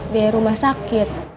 biar rumah sakit